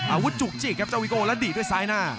จุกจิกครับเจ้าวิโก้แล้วดีดด้วยซ้ายหน้า